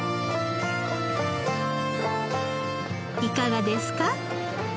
いかがですか？